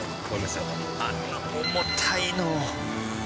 あの重たいのを。